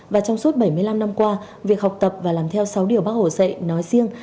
và trong suốt bảy mươi năm năm qua việc học tập và làm theo sáu điều bác hồ dạy nói riêng